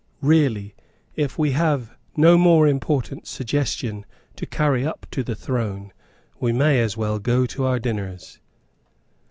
Really, if we have no more important suggestion to carry up to the throne, we may as well go to our dinners."